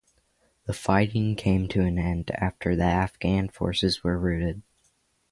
The fighting came to an end after the Afghan forces were routed.